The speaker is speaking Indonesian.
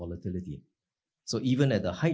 jadi bahkan di tahap